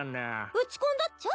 撃ち込んだっちゃ。